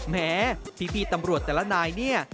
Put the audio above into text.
แหมพี่ตำรวจแต่ละนาย